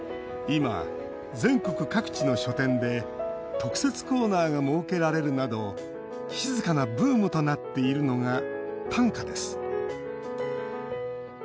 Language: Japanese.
今、全国各地の書店で特設コーナーが設けられるなど静かなブームとなっているのが短歌です。